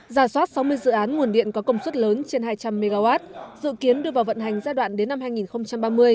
giả soát sáu mươi dự án nguồn điện có công suất lớn trên hai trăm linh mw dự kiến đưa vào vận hành giai đoạn đến năm hai nghìn ba mươi